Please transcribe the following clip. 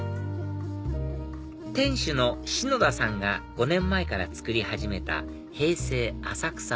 店主の篠田さんが５年前から作り始めた平成ＡＳＡＫＵＳＡ